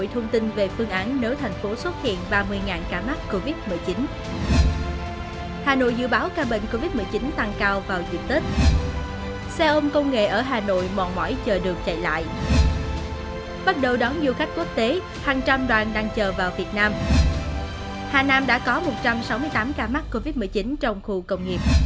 hãy đăng ký kênh để ủng hộ kênh của chúng mình nhé